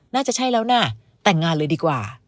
น่าจะใช่แล้วนะแต่งงานเลยดีกว่า